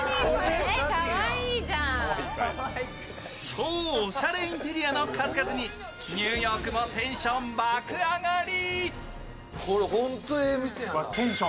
超おしゃれインテリアの数々にニューヨークもテンション爆上がり！